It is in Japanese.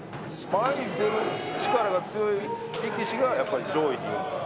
前に出る力が強い力士が、やっぱり上位にいるんですよ。